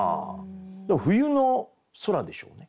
冬の空でしょうね。